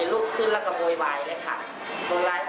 พูดมาผมพูดมาทีข้างแล้ว